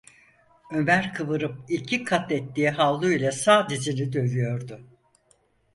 Ömer kıvırıp iki kat ettiği havlu ile sağ dizini dövüyordu.